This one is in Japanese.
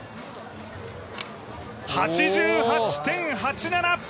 ８８．８７！